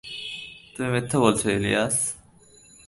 তুমি মিথ্যা বলছ, ইলিয়াস।